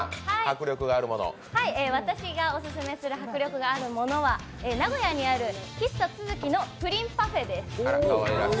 私がオススメする迫力があるものは喫茶ツヅキのプリンパフェです。